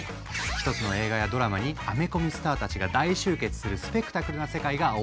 一つの映画やドラマにアメコミスターたちが大集結するスペクタクルな世界が大ウケ。